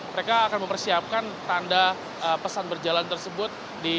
mereka akan mempersiapkan tanda pesan berjalan tersebut